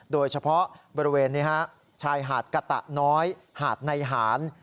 โดยเฉพาะบริเวณชายหาดกะตะน้อยหาดในหาร